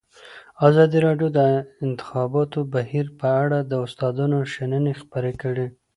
ازادي راډیو د د انتخاباتو بهیر په اړه د استادانو شننې خپرې کړي.